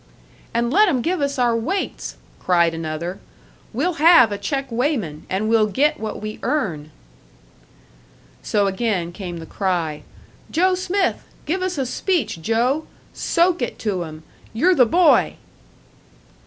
"And let 'em give us our weights!" cried another. "We'll have a check weighman, and we'll get what we earn!" So again came the cry, "Joe Smith! Give us a speech, Joe! Soak it to 'em! You're the boy!"